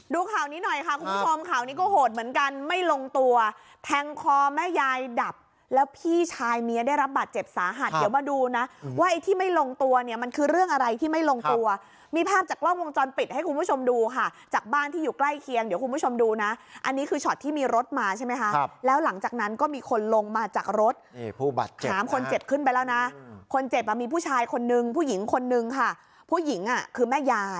ดูข่าวนี้หน่อยค่ะคุณผู้ชมข่าวนี้ก็โหดเหมือนกันไม่ลงตัวแทงคอแม่ยายดับแล้วพี่ชายเมียได้รับบาดเจ็บสาหัสเดี๋ยวมาดูนะว่าไอ้ที่ไม่ลงตัวเนี่ยมันคือเรื่องอะไรที่ไม่ลงตัวมีภาพจากกล้องวงจรปิดให้คุณผู้ชมดูค่ะจากบ้านที่อยู่ใกล้เคียงเดี๋ยวคุณผู้ชมดูนะอันนี้คือช็อตที่มีรถมาใช่ไหม